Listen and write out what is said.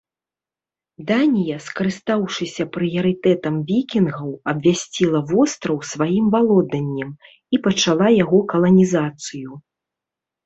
Данія, скарыстаўшыся прыярытэтам вікінгаў, абвясціла востраў сваім валоданнем і пачала яго каланізацыю.